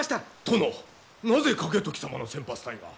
殿なぜ景時様の先発隊が？